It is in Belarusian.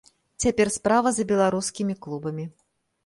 Цяпер справа за беларускімі клубамі.